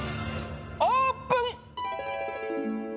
オープン！